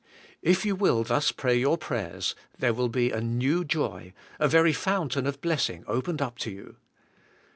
If you will thus pray your prayers, there will be a new joy, a very fountain of blessing opened up to you.